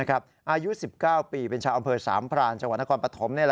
อายุ๑๙ปีเป็นชาวอำเภอสามพรานจังหวัดนครปฐม